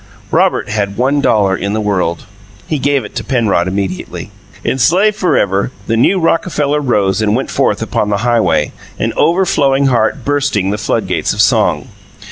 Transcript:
Robert had one dollar in the world. He gave it to Penrod immediately. Enslaved forever, the new Rockefeller rose and went forth upon the highway, an overflowing heart bursting the floodgates of song.